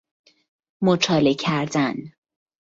مچاله کردن